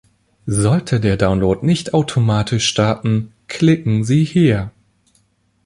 Sollte der Download nicht automatisch starten, klicken Sie hier.